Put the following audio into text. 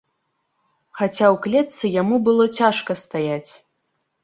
Хаця ў клетцы яму было цяжка стаяць.